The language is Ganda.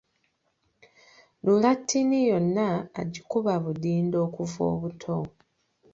Lulattini yonna agikuba budinda okuva obuto